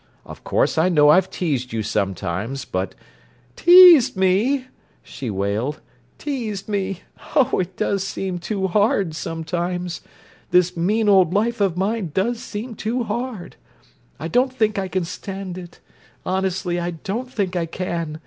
Of course I know I've teased you sometimes, but—" "'Teased' me?" she wailed. "'Teased' me! Oh, it does seem too hard, sometimes—this mean old life of mine does seem too hard! I don't think I can stand it! Honestly, I don't think I can!